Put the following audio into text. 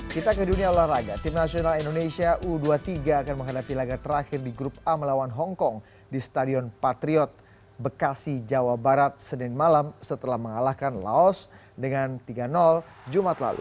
kita ke dunia olahraga tim nasional indonesia u dua puluh tiga akan menghadapi laga terakhir di grup a melawan hongkong di stadion patriot bekasi jawa barat senin malam setelah mengalahkan laos dengan tiga jumat lalu